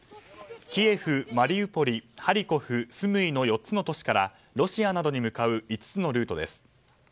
キエフ、マリウポリハリコフ、スムイの４つの都市からロシアなどに向かう５つのルートです。